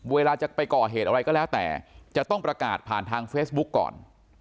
เวลาจะไปก่อเหตุอะไรก็แล้วแต่จะต้องประกาศผ่านทางเฟซบุ๊กก่อน